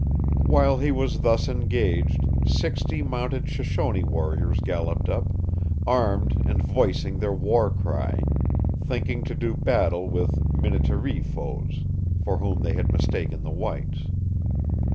While he was thus engaged, sixty mounted Shoshone warriors galloped up, armed and voicing their war cry, thinking to do battle with Minnetaree foes, for whom they had mistaken the whites.